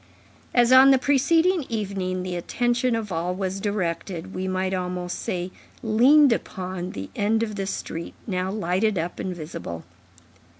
As on the preceding evening, the attention of all was directed, we might almost say leaned upon, the end of the street, now lighted up and visible.